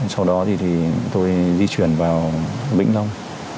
sau đó thì tôi di chuyển vào bĩnh long